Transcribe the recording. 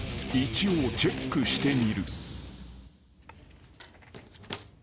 ［一応チェックしてみる］